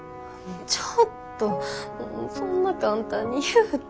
ちょっとそんな簡単に言うて。